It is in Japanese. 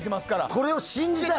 これを信じたい。